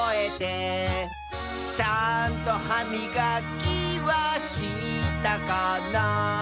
「ちゃんとはみがきはしたかな」